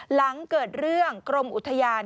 หลังเกิดเรื่องกรมอุทยาน